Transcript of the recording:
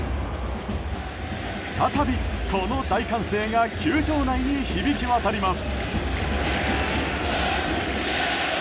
再び、この大歓声が球場内に響き渡ります。